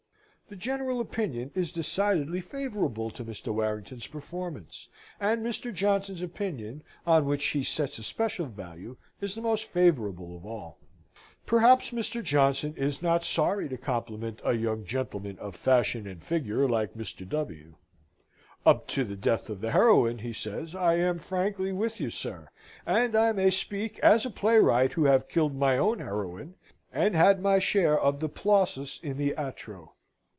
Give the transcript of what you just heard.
The general opinion is decidedly favourable to Mr. Warrington's performance; and Mr. Johnson's opinion, on which he sets a special value, is the most favourable of all. Perhaps Mr. Johnson is not sorry to compliment a young gentleman of fashion and figure like Mr. W. "Up to the death of the heroine," he says, "I am frankly with you, sir. And I may speak, as a playwright who have killed my own heroine, and had my share of the plausus in the atro.